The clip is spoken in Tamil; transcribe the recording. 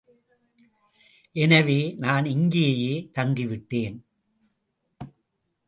எனவே நான் இங்கேயே தங்கிவிட்டேன்.